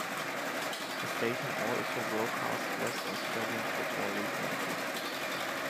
The station also broadcasts West Australian Football League matches.